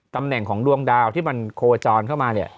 ตำแหน่งของดวงดาวที่มันโคจรเข้ามาเนี่ย